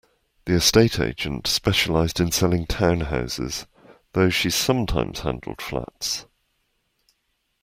The estate agent specialised in selling townhouses, though she sometimes handled flats